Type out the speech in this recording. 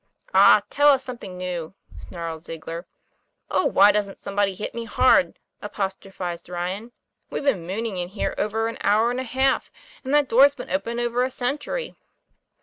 "Aw! tell us something new," snarled Ziegler. "Oh! why doesn't somebody hit me hard?" apos trophized Ryan. "We've been mooning in here over an hour and a half, and that door's been open over a century."